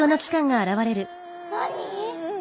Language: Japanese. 何！？